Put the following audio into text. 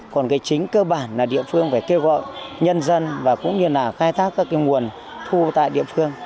còn cái chính cơ bản là địa phương phải kêu gọi nhân dân và cũng như là khai thác các cái nguồn thu tại địa phương